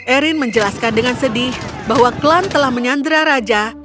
arryn menjelaskan dengan sedih bahwa klan telah menyandara raja